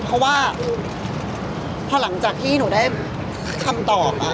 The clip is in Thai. เพราะว่าพอหลังจากที่หนูได้คำตอบมา